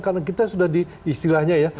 karena kita sudah di istilahnya ya